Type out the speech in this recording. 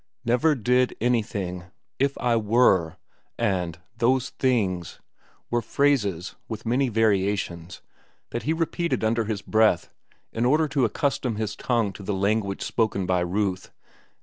"Never did anything," "if I were," and "those things," were phrases, with many variations, that he repeated under his breath in order to accustom his tongue to the language spoken by Ruth.